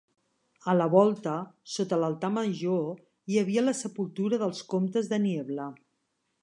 A la volta, sota l'altar major, hi havia la sepultura dels comtes de Niebla.